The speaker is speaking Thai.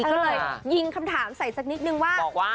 ก็เลยยิงคำถามใส่สักนิดนึงว่า